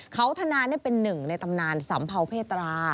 เขาธนาเป็นหนึ่งในตำนานสัมเภาเพตรา